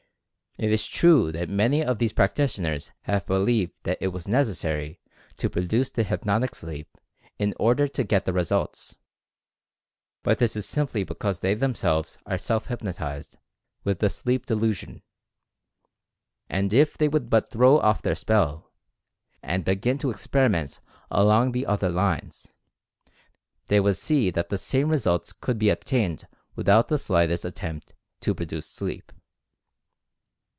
It is true that many of these practitioners have believed that it was necessary to produce the ''hypnotic sleep" in order to get the results, but this is simply because they themselves are "self hypnotized" with the "sleep delusion," and if they would but throw off their spell, and begin to ex periment along the other lines, they would see that the same results could be obtained without the slightest attempt to produce sleep.